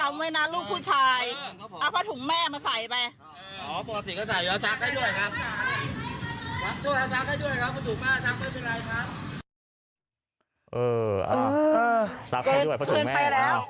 อ้าวพะถุงแม่มาใส่ไป